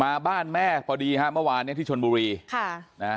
มาบ้านแม่พอดีฮะเมื่อวานเนี้ยที่ชนบุรีค่ะนะฮะ